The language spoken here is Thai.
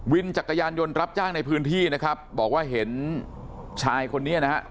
จักรยานยนต์รับจ้างในพื้นที่นะครับบอกว่าเห็นชายคนนี้นะฮะ